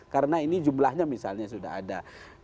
karena ini jumlahnya misalnya sudah ada